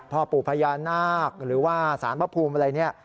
พ่อปู่พญานาคหรือว่าสารพระภูมิอะไรเนี่ย